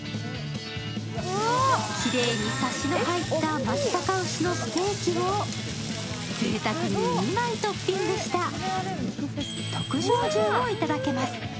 きれいにサシの入った松阪牛のステーキをぜいたくに２枚トッピングした特上重をいただきます。